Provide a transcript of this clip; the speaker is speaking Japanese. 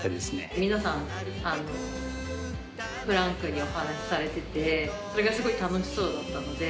皆さんフランクにお話しされててそれがすごい楽しそうだったので。